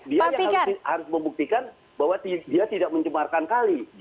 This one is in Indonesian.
dia yang harus membuktikan bahwa dia tidak mencemarkan kali